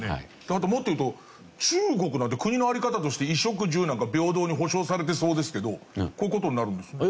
あともっと言うと中国なんて国の在り方として衣食住なんか平等に保障されてそうですけどこういう事になるんですか？